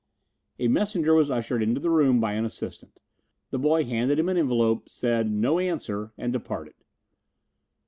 A messenger was ushered into the room by an assistant. The boy handed him an envelope, said, "No answer," and departed.